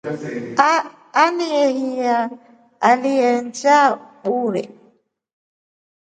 Enehiya alya nja buru.